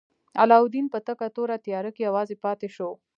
علاوالدین په تکه توره تیاره کې یوازې پاتې شو.